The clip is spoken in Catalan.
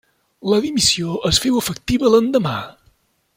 La dimissió es féu efectiva l'endemà.